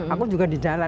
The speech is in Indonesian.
aku juga di jalan